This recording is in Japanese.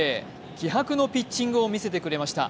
気迫のピッチングを見せてくれました。